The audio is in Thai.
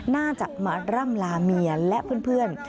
น่าจะมาร่ำลาเมียและเพื่อน